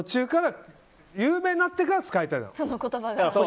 有名になってから使いたいの。